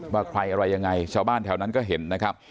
ว่าใครอะไรยังไงชาวบ้านแถวนั้นก็เห็นนะครับ